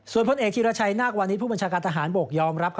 ส่วนพลเอกธีรชัยนาควานิสผู้บัญชาการทหารบกยอมรับ